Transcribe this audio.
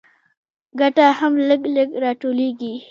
ګټه هم لږ لږ راټولېږي